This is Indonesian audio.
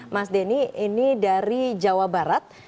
mas denny ini dari jawa barat